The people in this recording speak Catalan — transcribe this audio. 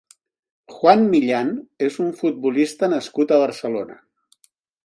Juan Millán és un futbolista nascut a Barcelona.